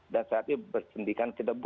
dan syaratnya bersendikan kita